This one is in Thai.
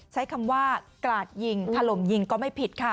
ใช้คำว่ากราดยิงถล่มยิงก็ไม่ผิดค่ะ